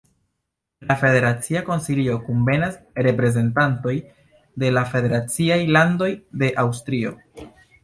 En la Federacia Konsilio kunvenas reprezentantoj de la federaciaj landoj de Aŭstrio.